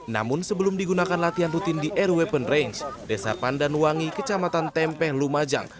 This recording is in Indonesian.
namun sebelum digunakan latihan rutin di air weapon range desa pandanwangi kecamatan tempe lumajang